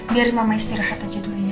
biar mama istirahat aja dulu ya